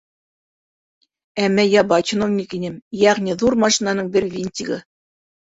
Әммә ябай чиновник инем, йәғни ҙур машинаның бер винтигы.